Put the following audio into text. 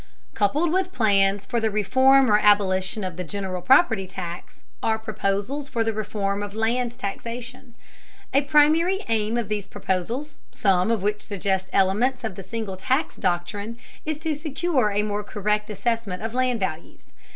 Coupled with plans for the reform or abolition of the general property tax are proposals for the reform of land taxation. A primary aim of these proposals, some of which suggest elements of the single tax doctrine, is to secure a more correct assessment of land values.